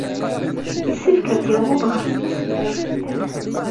Yessefk ad yaweḍ ɣef tis mraw snat.